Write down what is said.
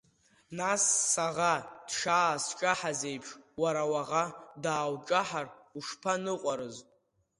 Нас, саӷа дшаасҿаҳаз еиԥш, уара уаӷа даауҿаҳар ушԥаныҟәарыз?